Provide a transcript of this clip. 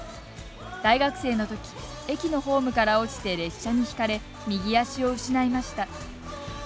大学生のとき駅のホームから落ちて列車にひかれ、右足を失いました。